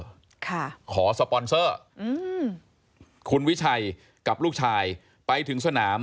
ค่ะขอสปอนเซอร์อืมคุณวิชัยกับลูกชายไปถึงสนาม